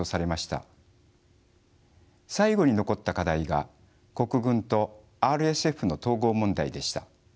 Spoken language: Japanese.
最後に残った課題が国軍とＲＳＦの統合問題でした。